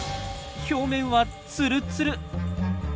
表面はツルツル。